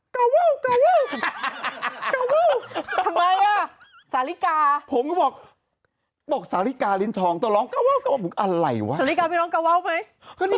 จิ้มที่ลิ้นปัก